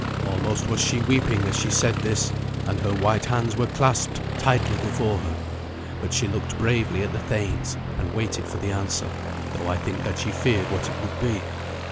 Almost was she weeping as she said this, and her white hands were clasped tightly before her. But she looked bravely at the thanes, and waited for the answer, though I think that she feared what it would be.